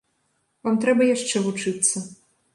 Вам трэба яшчэ вучыцца.